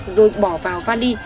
rồi bỏ vào vali